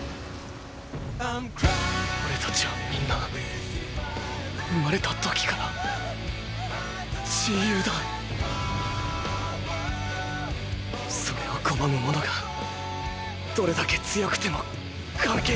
オレたちはみんな生まれた時から自由だそれを拒む者がどれだけ強くても関係ない。